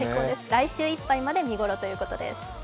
来週いっぱいまで見ごろということです。